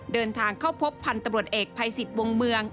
เดินทางเข้าพบพันตบรวจเอกภัยศิษฐ์วงเมือง